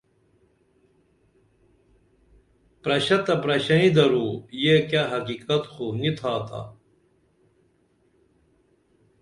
پرشہ تہ پرشئیں درو یہ کیہ حقیقت خو نی تھاتا